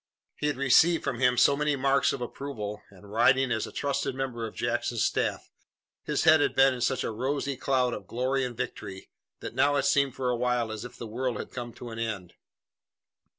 He had received from him so many marks of approval, and, riding as a trusted member of Jackson's staff, his head had been in such a rosy cloud of glory and victory, that now it seemed for a while as if the world had come to an end.